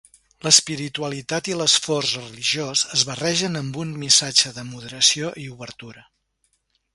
L'espiritualitat i l'esforç religiós es barregen amb un missatge de moderació i obertura.